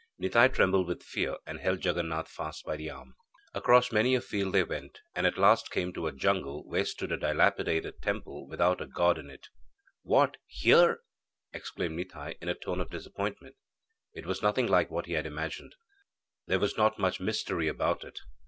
Nitai trembled with fear, and held Jaganath fast by the arm. Across many a field they went, and at last came to a jungle, where stood a dilapidated temple without a god in it. 'What, here!' exclaimed Nitai in a tone of disappointment. It was nothing like what he had imagined. There was not much mystery about it.